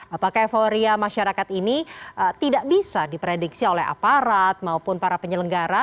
apakah euforia masyarakat ini tidak bisa diprediksi oleh aparat maupun para penyelenggara